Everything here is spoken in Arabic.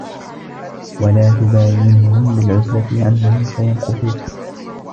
وَلَا تُبَايِنْهُمْ بِالْعُزْلَةِ عَنْهُمْ فَيَمْقُتُوك